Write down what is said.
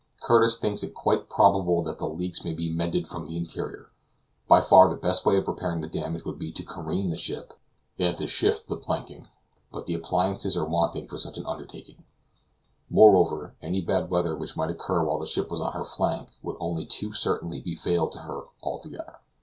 Curtis thinks it quite probable that the leaks may be mended from the interior. By far the best way of repairing the damage would be to careen the ship, and to shift the planking, but the appliances are wanting for such an undertaking; moreover, any bad weather which might occur while the ship was on her flank would only too certainly be fatal to her altogether.